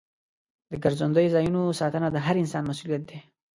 د ګرځندوی ځایونو ساتنه د هر انسان مسؤلیت دی.